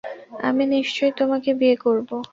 আমি নিশ্চয়ই তোমাকে বিয়ে করব!